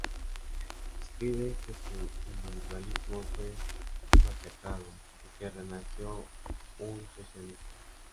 Escribe que su individualismo fue machacado, y que renació un socialista.